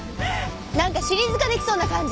なんかシリーズ化出来そうな感じ。